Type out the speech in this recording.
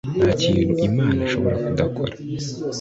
Nta kintu imana ishobora kudakora